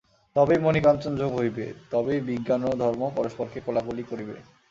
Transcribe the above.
তবেই মণিকাঞ্চনযোগ হইবে, তবেই বিজ্ঞান ও ধর্ম পরস্পরকে কোলাকুলি করিবে।